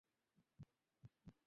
আজ যেন একটা উৎসবের দিন।